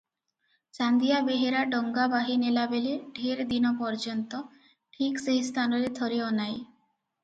ଚାନ୍ଦିଆ ବେହେରା ଡଙ୍ଗା ବାହିନେଲାବେଳେ ଢେର୍ ଦିନପର୍ଯ୍ୟନ୍ତ ଠିକ୍ ସେହି ସ୍ଥାନରେ ଥରେ ଅନାଏ ।